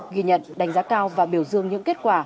ghi nhận đánh giá cao và biểu dương những kết quả